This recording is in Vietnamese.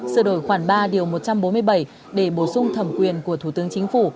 sửa đổi khoảng ba điều một trăm bốn mươi bảy để bổ sung thẩm quyền của thủ tướng chính phủ